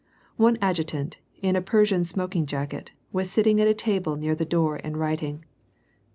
One adjutant, in a Persian smoking jacket, was sit ting at a table near the door and writing.